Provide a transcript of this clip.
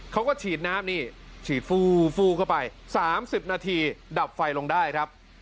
เขาก็ฉีดน้ำนี่ฉีดฟูฟูเข้าไป๓๐นาทีดับไฟลงได้ครับ